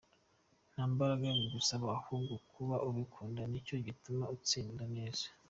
Nta mbaraga bigusaba ahubwo kuba ubikunda nicyo gituma utsinda neza.